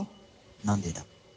何でだ。